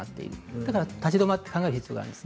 だから立ち止まって考える必要があるんです。